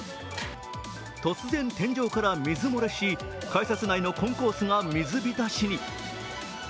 突然、天井から水漏れし、改札内のコンコースが水浸しに。